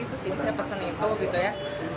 terus ini saya pesen itu gitu ya